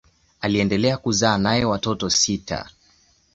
Aliendelea kuzaa naye watoto sita.